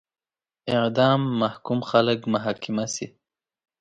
اعدام محکوم خلک محاکمه شي.